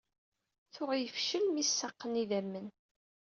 Tuɣ yefcel mi s-saqen idammen.